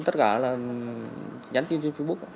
tất cả là nhắn tin trên facebook